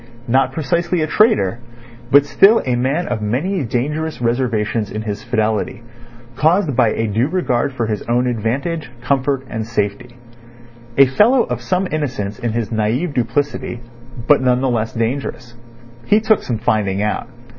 Not precisely a traitor, but still a man of many dangerous reservations in his fidelity, caused by a due regard for his own advantage, comfort, and safety. A fellow of some innocence in his naive duplicity, but none the less dangerous. He took some finding out.